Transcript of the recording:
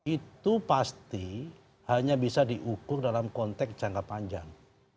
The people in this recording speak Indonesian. itu pasti hanya bisa diukur dalam konteks jangka panjang